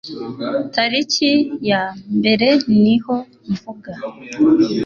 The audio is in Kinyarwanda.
tariki ya mbere niho mvuga